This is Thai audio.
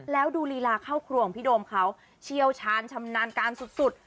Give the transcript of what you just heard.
แล้วดูลีลาเข้าครัวของพี่โดมเขาเชี่ยวชาญชำนาญการสุด